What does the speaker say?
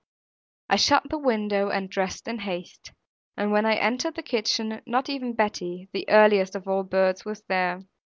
I shut the window and dressed in haste; and when I entered the kitchen, not even Betty, the earliest of all early birds, was there.